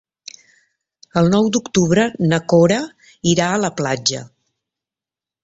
El nou d'octubre na Cora irà a la platja.